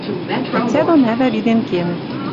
Ӓтя дон ӓвӓ виден кенӹт